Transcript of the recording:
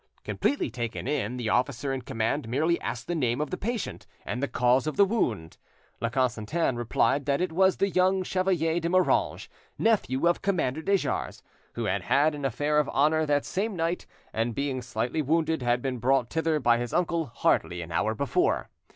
Completely taken in, the officer in command merely asked the name of the patient and the cause of the wound. La Constantin replied that it' was the young Chevalier de Moranges, nephew of Commander de Jars, who had had an affair of honour that same night, and being sightly wounded had been brought thither by his uncle hardly an hour before.